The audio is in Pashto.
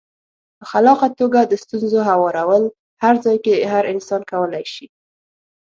په خلاقه توګه د ستونزو هوارول هر ځای کې هر انسان کولای شي.